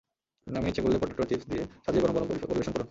নামিয়ে ইচ্ছে করলে পটেটো চিপস দিয়ে সাজিয়ে গরম গরম পরিবেশন করুন।